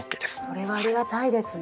それはありがたいですね。